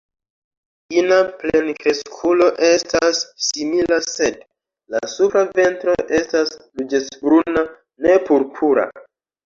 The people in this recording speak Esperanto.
Ina plenkreskulo estas simila, sed la supra ventro estas ruĝecbruna, ne purpura.